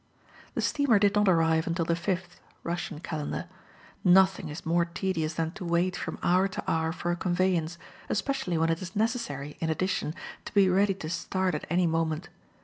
The steamer did not arrive until the 5th (Russian calendar). Nothing is more tedious than to wait from hour to hour for a conveyance, especially when it is necessary, in addition, to be ready to start at any moment.